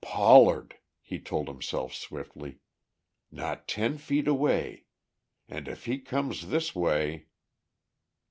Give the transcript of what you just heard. "Pollard," he told himself swiftly. "Not ten feet away. And if he comes this way